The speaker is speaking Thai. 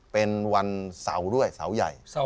เป็นวันเสาร์ด้วยเสาใหญ่